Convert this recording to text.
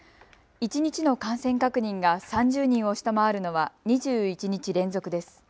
一日の感染確認が３０人を下回るのは２１日連続です。